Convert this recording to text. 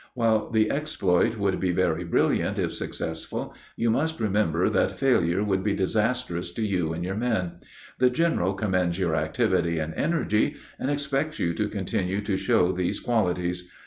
While the exploit would be very brilliant if successful, you must remember that failure would be disastrous to you and your men. The General commends your activity and energy, and expects you to continue to show these qualities.